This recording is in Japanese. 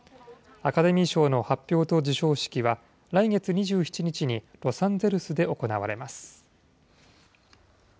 アカデミー賞の発表と授賞式は来月２７日にロサンゼルスで行われます。